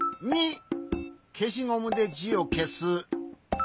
けしゴムでじをけす。